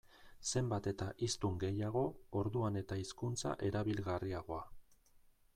Zenbat eta hiztun gehiago, orduan eta hizkuntza erabilgarriagoa.